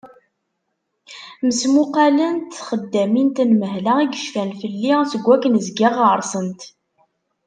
Mesmuqalent txeddamin n tenmehla i yecfan fell-i seg wakken zgiɣ ɣer-sent.